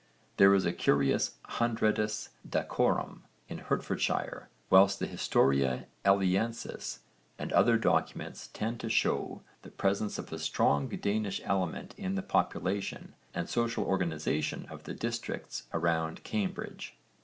There is a curious 'hundredus Dacorum' (cf. supra, p. 10) in Hertfordshire, while the Historia Eliensis and other documents tend to show the presence of a strong Danish element in the population and social organisation of the districts around Cambridge.